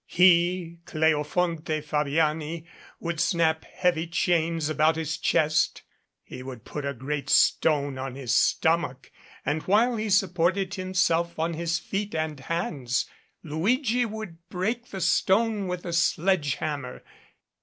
He, Cleofonte Fabiani, would snap heavy chains about his chest. He would put a great stone on his stomach, and, while he supported himself on his feet and hands, Luigi would break the stone with a sledge hammer.